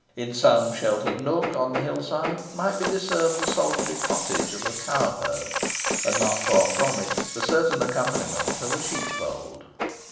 In some sheltered nook on the hill side might be discerned the solitary cottage of a cowherd, and not far from it the certain accompaniment of a sheepfold.